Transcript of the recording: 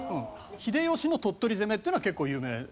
秀吉の鳥取攻めっていうのは結構有名。